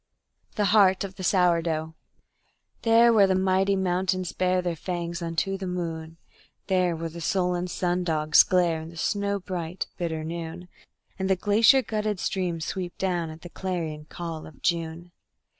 The Heart of the Sourdough There where the mighty mountains bare their fangs unto the moon, There where the sullen sun dogs glare in the snow bright, bitter noon, And the glacier glutted streams sweep down at the clarion call of June.